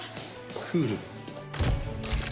クール。